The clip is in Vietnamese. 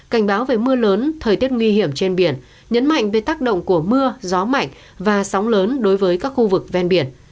cảnh báo về mưa lớn thời tiết nguy hiểm trên biển nhấn mạnh về tác động của mưa gió mạnh và sóng lớn đối với các khu vực ven biển